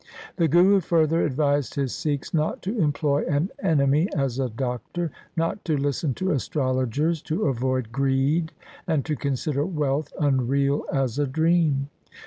The Guru further advised his Sikhs not to employ an enemy as a doctor, not to listen to astrologers, to avoid greed, and to consider wealth unreal as a dream.